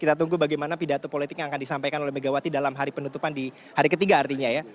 kita tunggu bagaimana pidato politik yang akan disampaikan oleh megawati dalam hari penutupan di hari ketiga artinya ya